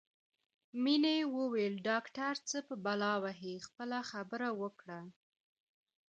مينې وویل ډاکټر څه په بلا وهې خپله خبره وکړه